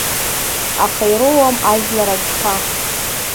Аха ироуам жәлар агха.